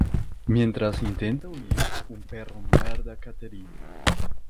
Mientras intenta huir, un perro muerde a Catherine.